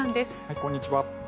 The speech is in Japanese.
こんにちは。